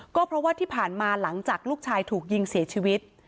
ก็เพราะว่าที่ผ่านมาหลังจากลูกชายถูกยิงเสียชีวิต